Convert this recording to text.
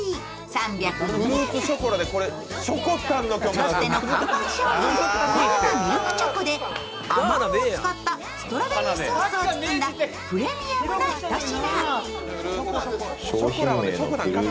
ロッテの看板商品、ガーナミルクチョコであまおうを使ったストロベリーソースを包んだプレミアムなひと品。